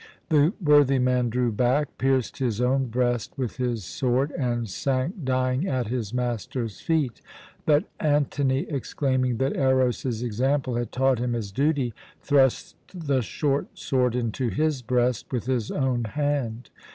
The worthy man drew back, pierced his own breast with his sword, and sank dying at his master's feet; but Antony, exclaiming that Eros's example had taught him his duty, thrust the short sword into his breast with his own hand.